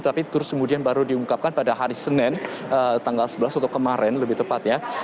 tapi terus kemudian baru diungkapkan pada hari senin tanggal sebelas atau kemarin lebih tepatnya